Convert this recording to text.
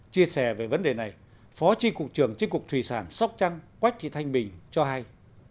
chia sẻ về vấn đề này phó tri cục trường tri cục thủy sản sóc trăng quách thị thanh bình cho hay